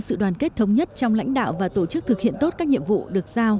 sự đoàn kết thống nhất trong lãnh đạo và tổ chức thực hiện tốt các nhiệm vụ được giao